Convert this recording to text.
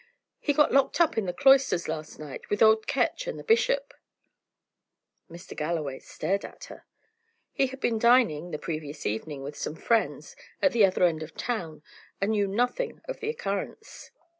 "He got locked up in the cloisters last night with old Ketch and the bishop." Mr. Galloway stared at her. He had been dining, the previous evening, with some friends at the other end of the town, and knew nothing of the occurrence.